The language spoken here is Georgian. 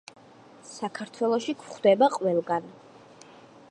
საქართველოში გვხვდება ყველგან.